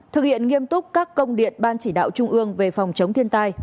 thực hiện nghiêm túc các công điện ban chỉ đạo trung ương về phòng chống thiên tai